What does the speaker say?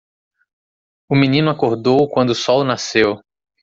O menino acordou quando o sol nasceu.